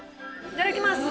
いただきます！